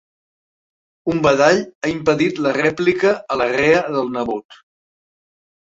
Un badall ha impedit la rèplica a la rea del nebot.